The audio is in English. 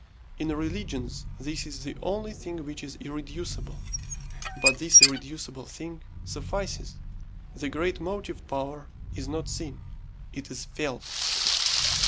In religions this is the only thing which is irreducible; but this irreducible thing suffices. The great motive power is not seen; it is felt.